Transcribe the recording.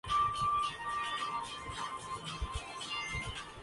واقفان حال ہی ان تک پہنچ سکتے ہیں۔